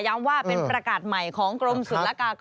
ว่าเป็นประกาศใหม่ของกรมศุลกากร